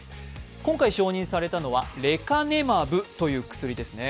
今回承認されたのはレカネマブという薬ですね。